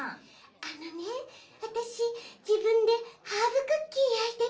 あのねわたしじぶんでハーブクッキーやいてみたの。